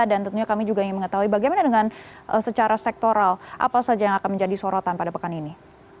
dan tentunya kami juga ingin mengetahui bagaimana dengan secara sektoral apa saja yang akan menjadi sorotan pada pekan ini